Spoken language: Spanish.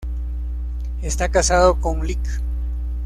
Esta casado con Lic.